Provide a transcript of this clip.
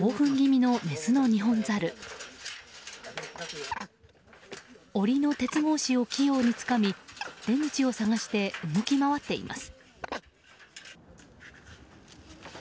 檻の鉄格子を器用に掴み出口を探して動き回っています。